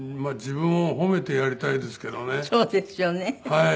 はい。